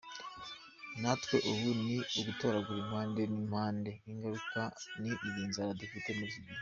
Natwe ubu ni ugutoragura impande n’impande ingaruka ni iyi nzara dufite muri ikigihe.